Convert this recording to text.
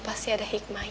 pasti ada hikmahnya